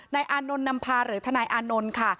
อานนท์นำพาหรือทนายอานนท์ค่ะ